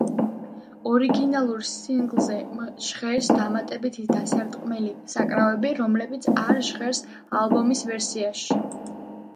ორიგინალურ სინგლზე ჟღერს დამატებითი დასარტყმელი საკრავები, რომლებიც არ ჟღერს ალბომის ვერსიაში.